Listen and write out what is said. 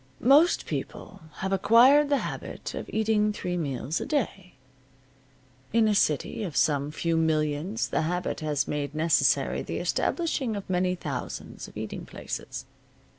Most people have acquired the habit of eating three meals a day. In a city of some few millions the habit has made necessary the establishing of many thousands of eating places.